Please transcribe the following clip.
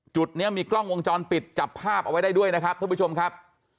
จุดนี้มีกล้องวงจรปิดจับภาพเอาไว้ได้ด้วยนะครับท่านผู้ชมครับ